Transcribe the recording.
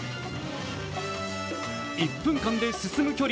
１分間で進む距離